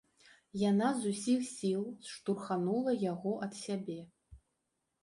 Яна з усіх сіл штурханула яго ад сябе.